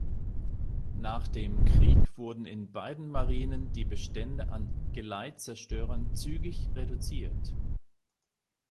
Nach dem Krieg wurden in beiden Marinen die Bestände an Geleitzerstörern zügig reduziert.